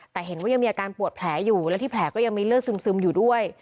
แต่เห็นว่ายังมีอาการปวดแผลอยู่และที่แผลก็ยังมีเลือดซึมอยู่ด้วย